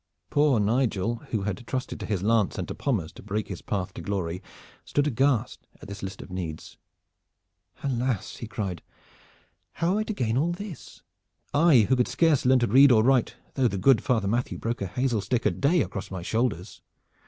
Poor Nigel, who had trusted to his lance and to Pommers to break his path to glory, stood aghast at this list of needs. "Alas!" he cried. "How am I to gain all this? I, who could scarce learn to read or write though the good Father Matthew broke a hazel stick a day across my shoulders?"